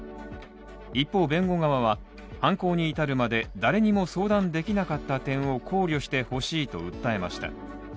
一方、弁護側は犯行に至るまで誰にも相談できなかった点を考慮してほしいと訴えました。